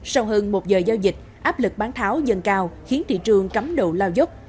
sau hơn một giờ giao dịch áp lực bán tháo dần cao khiến thị trường cấm độ lao dốc